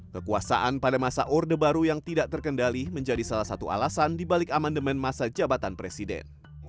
kekuasaan pada masa orde baru yang tidak terkendali menjadi salah satu alasan dibalik amendement masa jabatan presiden